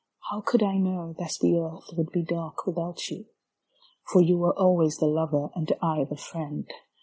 How could I know that the earth would be dark without you? For you were always the lover and I the friend.